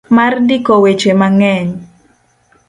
mar ndiko weche mang'eny.